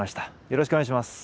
よろしくお願いします。